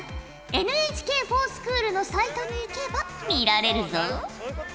ＮＨＫｆｏｒＳｃｈｏｏｌのサイトに行けば見られるぞ。